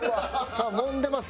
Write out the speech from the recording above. さあもんでます。